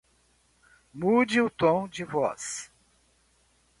Mude o tom de voz